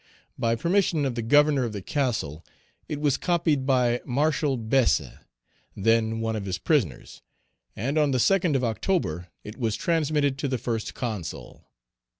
By permission of the governor of the castle, it was copied by Martial Besse, then one of his prisoners, and on the 2d of October it was transmitted to the First Consul.